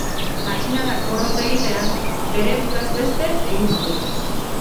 Matxinadak porrot egitean, bere buruaz beste egin zuen.